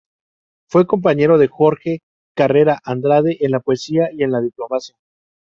Fue compañero de Jorge Carrera Andrade en la poesía y en la diplomacia.